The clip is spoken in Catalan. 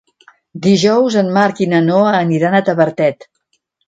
Dijous en Marc i na Noa aniran a Tavertet.